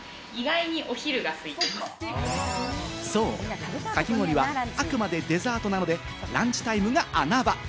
そう、かき氷はあくまでデザートなので、ランチタイムが穴場。